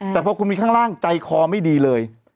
แต่พอคุณมีข้างล่างใจคอไม่ดีเลย